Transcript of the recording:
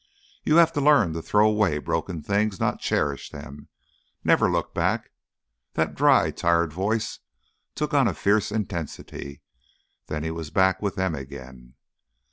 "You have to learn to throw away broken things, not cherish them. Never look back!" That dry, tired voice took on a fierce intensity. Then he was back with them again.